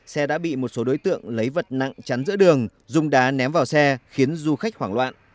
xe đã bị một số đối tượng lấy vật nặng chắn giữa đường dùng đá ném vào xe khiến du khách hoảng loạn